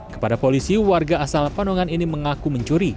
kepada polisi warga asal panongan ini mengaku mencuri